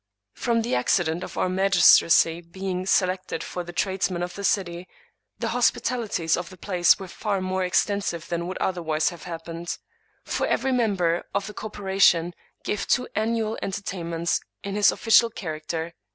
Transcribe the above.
From the accident of our magistracy being se lected from the tradesmen of the city, the hospitalities of the place were far more extensive than would otherwise have happened ; for every member of the corporation gave two annual entertainments in his official character.